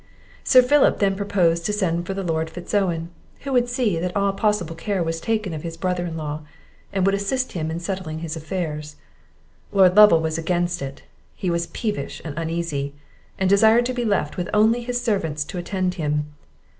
Sir Philip then proposed to send for the Lord Fitz Owen, who would see that all possible care was taken of his brother in law, and would assist him in settling his affairs. Lord Lovel was against it; he was peevish and uneasy, and desired to be left with only his own servants to attend him.